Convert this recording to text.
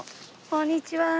こんにちは。